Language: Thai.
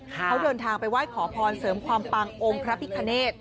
เขาเดินทางไปไหว้ขอพรเสริมความปังองค์พระพิคเนต